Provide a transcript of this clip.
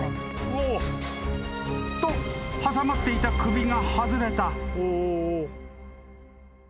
［と挟まっていた首が外れた］